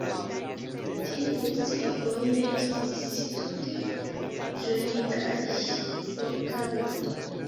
Tiuj sciigoj ne estis tute ĝojigaj por Karlo.